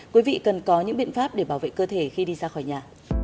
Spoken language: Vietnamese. quý vị cần có những biện pháp để bảo vệ cơ thể khi đi ra khỏi nhà